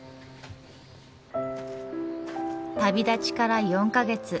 旅立ちから４か月。